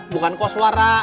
bukan kau suara